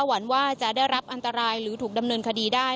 หวังว่าจะได้รับอันตรายหรือถูกดำเนินคดีได้